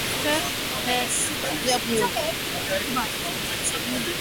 Thereafter, the city grew rapidly with influxes of Americans, French, Creoles, and Africans.